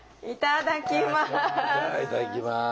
いただきます！